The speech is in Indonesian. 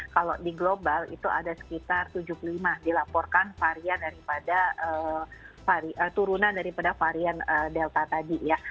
kalau di global itu ada sekitar tujuh puluh lima dilaporkan varian daripada turunan daripada varian delta tadi ya